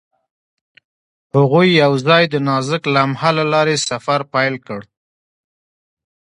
هغوی یوځای د نازک لمحه له لارې سفر پیل کړ.